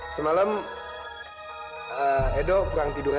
semalam edo kurang tidur ya